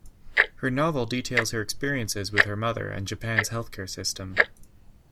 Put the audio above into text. Her novel details her experiences with her mother and Japan's healthcare system.